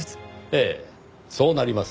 ええそうなりますね。